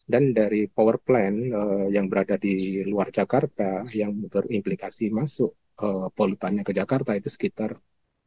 dan dari power plant yang berada di luar jakarta yang berimplikasi masuk polutannya ke jakarta itu sekitar dua enam persen